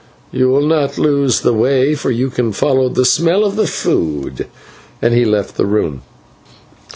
You will not lose the way, for you can follow the smell of the food," and he left the room.